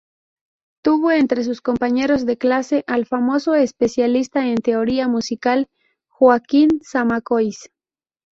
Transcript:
Tuvo entre sus compañeros de clase al famoso especialista en teoría musical Joaquín Zamacois.